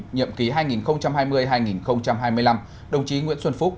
nhậm ký hai nghìn hai mươi hai nghìn hai mươi năm đồng chí nguyễn xuân phúc